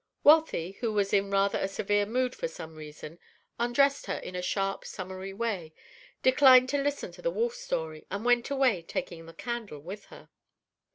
Wealthy, who was in rather a severe mood for some reason, undressed her in a sharp, summary way, declined to listen to the wolf story, and went away, taking the candle with her.